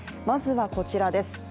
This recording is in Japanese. まずはこちらです。